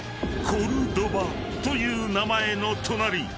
［コルドバという名前の隣］